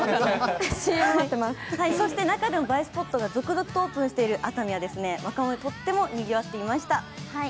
そして中でも映えスポットが続々とオープンしている熱海は、若者でとってもにぎわっていました。